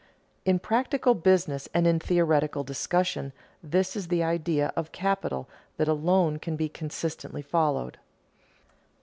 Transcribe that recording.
In practical business and in theoretical discussion this is the idea of capital that alone can be consistently followed.